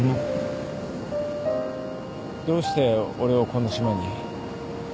どうして俺をこの島に？